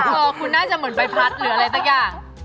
คุณน่าจะเหมือนใบพัดหรืออะไรแท้กัน